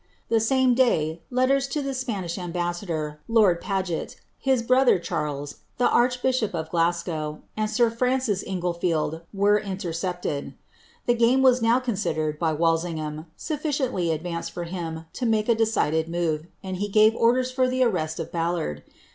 The same day, letters to the Spanish ambassador, lord Paget, his brother Charles, the archbishop of Glasgow, and Sir Francis Inglefield were intercepted. The game was now considered, by Walsingham, sufficiently advanced for him to make a decided move, and he gave orders for the arrest of Ballard.